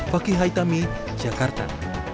fakih haitami jakarta